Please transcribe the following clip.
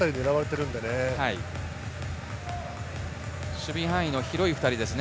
守備範囲の広い２人ですね。